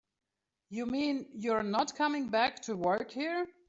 You mean you're not coming back to work here?